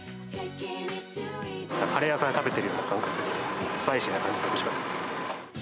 カレー屋さんで食べてるような感覚で、スパイシーな感じでおいしかったです。